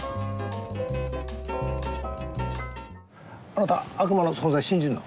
あなた悪魔の存在信じるの？